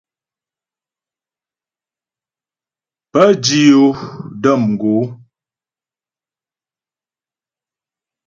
Pə́ dǐ yo də̌m gǒ.